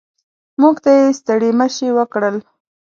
موږ ته یې ستړي مه شي وکړل.